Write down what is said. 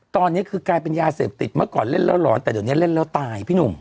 ตอนนี้คือกลายเป็นยาเสพติดเมื่อก่อนเล่นแล้วหลอนแต่เดี๋ยวนี้เล่นแล้วตายพี่หนุ่ม